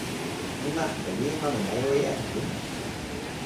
¿Imaqta Limaman aywaykanki?